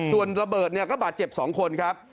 ส่วนระเบิดก็บาดเจ็บ๒คนครับ